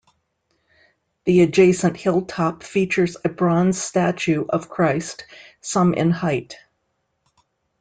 The adjacent hilltop features a bronze statue of Christ, some in height.